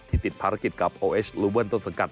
ที่ติดภารกิจกับโอเอชลูเวิลต้นสกัด